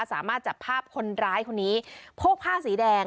สามารถจับภาพคนร้ายคนนี้โพกผ้าสีแดง